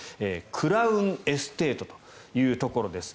クラウンエステートというところです。